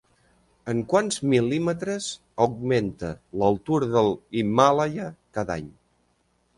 En quants mil·límetres augmenta l'altura de l'Himàlaia cada any?